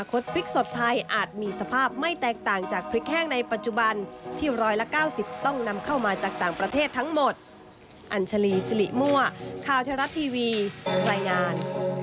ข่าวเทศรัตน์ทีวีรายงาน